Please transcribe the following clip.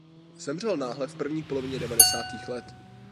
Zemřel náhle v první polovině devadesátých let.